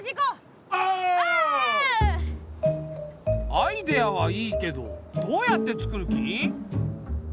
アイデアはいいけどどうやってつくる気？